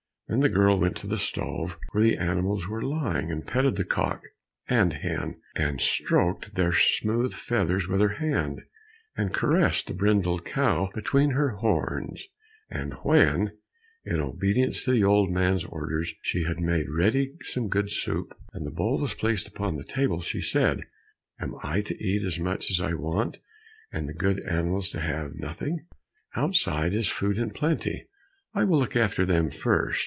Then the girl went to the stove where the animals were lying, and petted the cock and hen, and stroked their smooth feathers with her hand, and caressed the brindled cow between her horns, and when, in obedience to the old man's orders, she had made ready some good soup, and the bowl was placed upon the table, she said, "Am I to eat as much as I want, and the good animals to have nothing? Outside is food in plenty, I will look after them first."